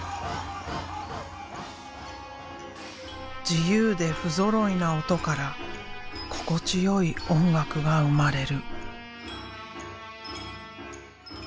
自由でふぞろいな音から心地よい音楽が生まれる。